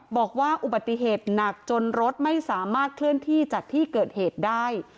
บอกว่าอุบัติเหตุหนักจนรถไม่สามารถเคลื่อนที่จากที่เกิดเหตุได้